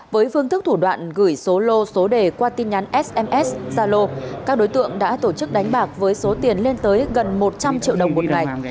với phương thức thủ đoạn gửi số lô số đề qua tin nhắn sms gia lô các đối tượng đã tổ chức đánh bạc với số tiền lên tới gần một trăm linh triệu đồng một ngày